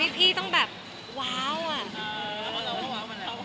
ดีจนพี่พี่แบบว้าวอ่ะ